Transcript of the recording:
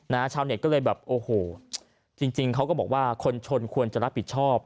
ชาวเน็ตก็เลยแบบโอ้โหจริงจริงเขาก็บอกว่าคนชนควรจะรับผิดชอบ